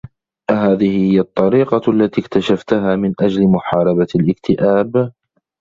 أهذه هي الطّريقة التي اكتشفتها من أجل محاربة الاكتئاب؟